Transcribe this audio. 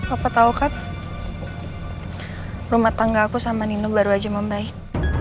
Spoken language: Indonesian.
aku tahu kan rumah tangga aku sama nino baru aja membaik